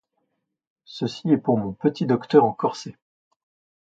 Ceci est pour mon petit docteur en corset.